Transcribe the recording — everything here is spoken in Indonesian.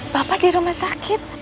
bapak di rumah sakit